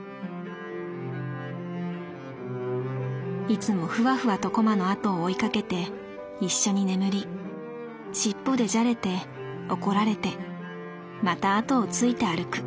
いつもフワフワとコマの跡を追いかけて一緒に眠りしっぽでじゃれて怒られてまた跡をついて歩く」。